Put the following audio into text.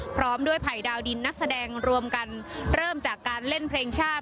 พร้อมด้วยไผ่ดาวดินนักแสดงรวมกันเริ่มจากการเล่นเพลงชาติ